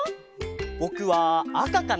ぼくはあかかな！